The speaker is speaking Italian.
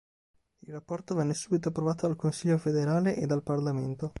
Il rapporto venne subito approvato dal Consiglio federale e dal parlamento.